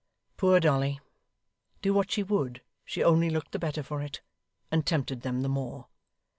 Poor Dolly! Do what she would, she only looked the better for it, and tempted them the more.